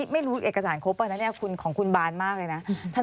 ไม่รู้เอกสารครบอันนั้นของคุณบานมากเลยนะ